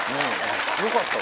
よかったわ。